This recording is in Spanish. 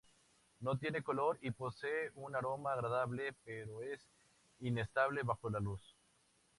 No tiene color y posee un aroma agradable pero es inestable bajo la luz.